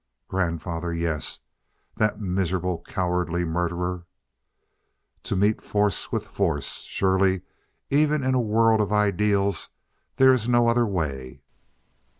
"Grandfather yes! That miserable cowardly murderer " To meet force, with force. Surely, even in a world of ideals, there is no other way.